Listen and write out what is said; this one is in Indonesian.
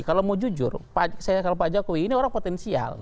kalau mau jujur pak jokowi ini orang potensial